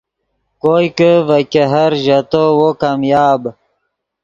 کوئے کہ ڤے ګہر ژیتو وو کامیاب